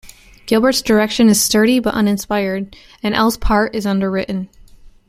Gilbert's direction is sturdy but uninspired, and Ehle's part is underwritten.